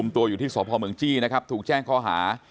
ตัวอยู่ที่สพเมืองจี้นะครับถูกแจ้งข้อหา